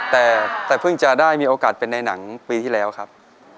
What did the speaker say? แต่พึ่งจะได้มีโอกาสเป็นหนังของคุณลุงตั้งแต่ปีที่เหล้าครับ